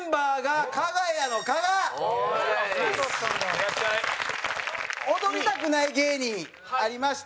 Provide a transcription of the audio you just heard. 蛍原：踊りたくない芸人ありました。